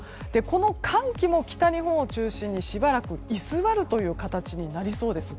寒気も北日本を中心にしばらく居座る形になりそうです。